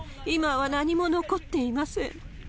今は何も残っていません。